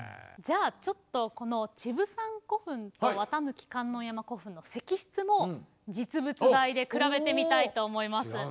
じゃあちょっとこのチブサン古墳と綿貫観音山古墳の石室も実物大で比べてみたいと思います。